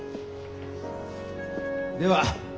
では